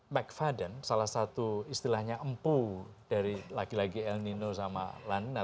mike faden salah satu istilahnya empu dari lagi lagi el nino sama la nina